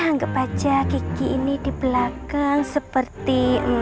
anggap saja kiki ini di belakang seperti